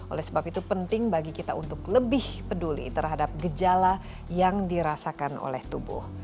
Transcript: oleh sebab itu penting bagi kita untuk lebih peduli terhadap gejala yang dirasakan oleh tubuh